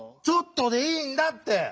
「ちょっと」でいいんだって！